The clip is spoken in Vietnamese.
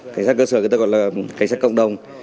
cảnh sát cơ sở thì tên gọi là cảnh sát cộng đồng